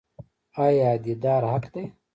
آیا دیدار حق دی؟